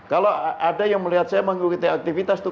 kalau ada yang melihat saya mengikuti aktivitas tuh